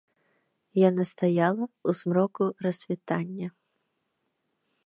Яна стаяла ў змроку рассвітання.